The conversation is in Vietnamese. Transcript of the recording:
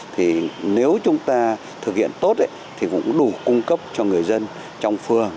thì nếu chúng ta thực hiện tốt thì cũng đủ cung cấp cho người dân trong phường